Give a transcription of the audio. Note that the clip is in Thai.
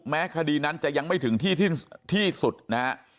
คดีนั้นจะยังไม่ถึงที่สุดนะฮะ